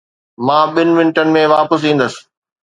مان ٻن منٽن ۾ واپس ايندس